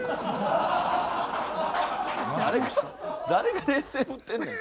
誰が冷静ぶってんねん。